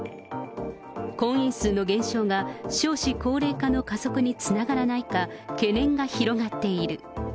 婚姻数の減少が少子高齢化の加速につながらないか、懸念が広がっている。